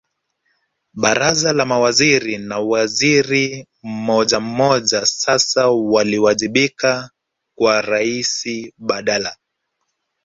Baraza la Mawaziri na waziri mmojammoja sasa waliwajibika kwa Raisi badala